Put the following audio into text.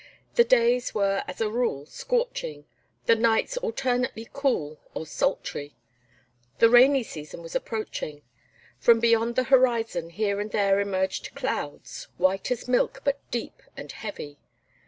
The days were as a rule scorching, the nights alternately cool or sultry; the rainy season was approaching. From beyond the horizon here and there emerged clouds, white as milk but deep and heavy.